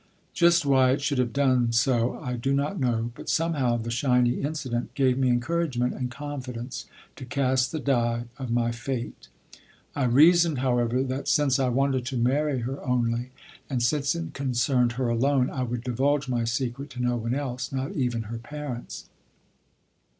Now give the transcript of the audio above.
Just why it should have done so I do not know, but somehow the "Shiny" incident gave me encouragement and confidence to cast the die of my fate. I reasoned, however, that since I wanted to marry her only, and since it concerned her alone, I would divulge my secret to no one else, not even her parents.